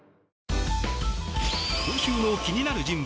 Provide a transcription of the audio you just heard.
今週の気になる人物